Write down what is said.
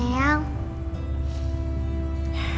sekarang kamu siap siap sekolah ya